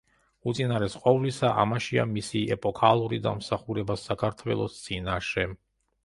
უწინარეს ყოვლისა, ამაშია მისი ეპოქალური დამსახურება საქართველოს წინაშე.